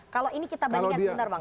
kalau ini kita bandingkan sebentar bang